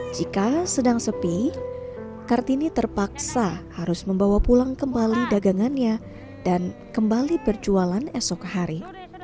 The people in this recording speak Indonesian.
jika sedang sepi kartini terpaksa harus membawa pulang kembali dagangannya dan kembali berjualan esok hari